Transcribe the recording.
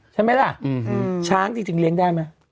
ใช่ไหมล่ะช้างจริงเลี้ยงได้ไหม